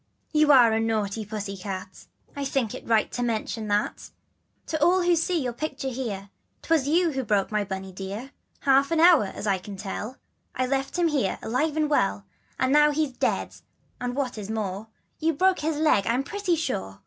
" T T'OUa.re. a naughty pussy cat, J^ I think it right to mention that, To all who see your picture here, ' Twas you who broke my Bunny dear. An hour ago, as you can tell, I left him here, alive and well; And now he's dead and, what is more, You've broke his leg I'm pretty sure.